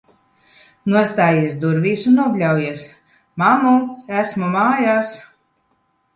Nostājies durvīs un nobļaujies: "Mammu, esmu mājās!"